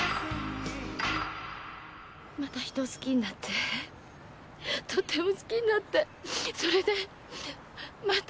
「また人を好きになってとっても好きになってそれでまた失うの怖いの。